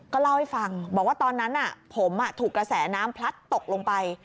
ก็เล่าให้ฟังบอกว่าตอนนั้นผมถูกกระแสน้ำพลัดตกลงไป